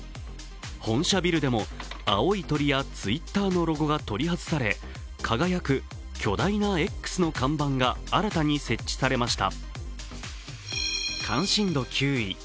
本社ビルでも青い鳥やＴｗｉｔｔｅｒのロゴが取り外され輝く巨大なＸの看板が新たに設置されました。